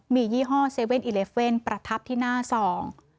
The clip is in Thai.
มียี่ห้อ๗๑๑ประทับที่หน้าซอง